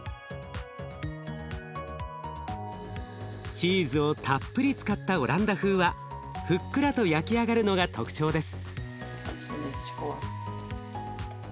チーズをたっぷり使ったオランダ風はふっくらと焼き上がるのが特徴です。